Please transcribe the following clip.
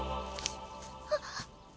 あっ。